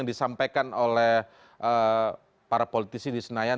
yang disampaikan oleh para politisi di senayan